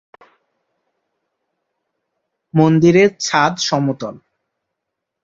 মন্দিরের ছাদ সমতল।